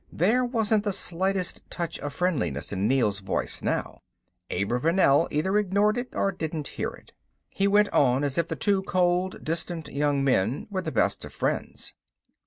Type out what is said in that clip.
There wasn't the slightest touch of friendliness in Neel's voice now. Abravanel either ignored it or didn't hear it. He went on as if the two cold, distant young men were the best of friends.